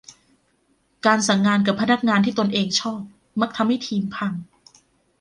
การสั่งงานกับพนักงานที่ตนเองชอบมักทำให้ทีมพัง